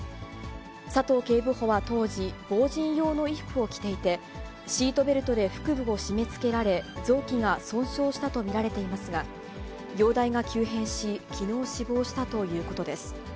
佐藤警部補は当時、防じん用の衣服を着ていて、シートベルトで腹部を締めつけられ、臓器が損傷したと見られていますが、容体が急変し、きのう死亡したということです。